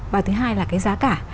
và thứ hai là cái giá cả